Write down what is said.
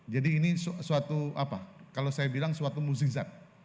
jadi ini suatu apa kalau saya bilang suatu muksizat